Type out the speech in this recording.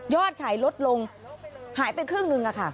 ขายลดลงหายไปครึ่งหนึ่งค่ะ